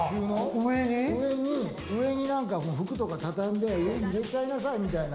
上に何か服とか畳んで、上に入れちゃいなさいみたいな。